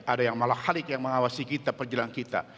ada yang malah khaliq yang mengawasi kita perjalanan kita